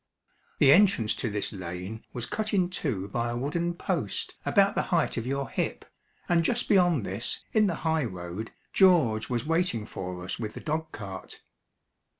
The entrance to this lane was cut in two by a wooden post about the height of your hip, and just beyond this, in the high road, George was waiting for us with the dog cart.